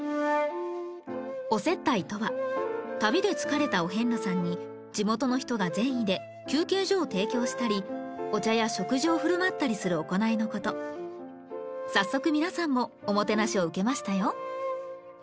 「お接待」とは旅で疲れたお遍路さんに地元の人が善意で休憩所を提供したりお茶や食事をふるまったりする行いのこと早速皆さんもおもてなしを受けましたよ